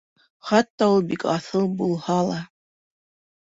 Хатта ул бик аҫыл булһа ла.